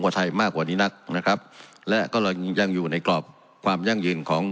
ไทยมากกว่านี้นักนะครับและก็เรายังยังอยู่ในกรอบความยั่งยืนของ